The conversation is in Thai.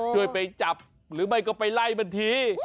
ไปจับหรือไม่ก็ไปไล่มันที